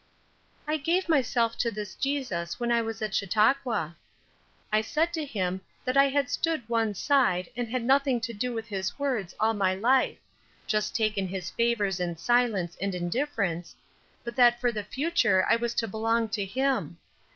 "I gave myself to this Jesus when I was at Chautauqua," I said to him; "that I had stood one side, and had nothing to do with his words all my life; just taken his favors in silence and indifference, but that for the future I was to belong to him.